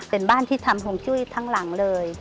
เป็นบ้านที่ทำห่วงจุ้ยทั้งหลังเลย